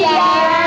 nah ini dia